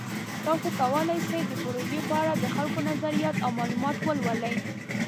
تاسو کولی شئ د پروژې په اړه د خلکو نظریات او معلومات ولولئ.